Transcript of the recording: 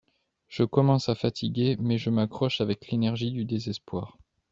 Je commence à fatiguer mais je m'accroche avec l'énergie du désespoir